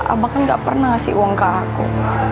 abang kan gak pernah ngasih uang ke aku